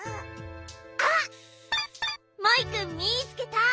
あっモイくんみつけた！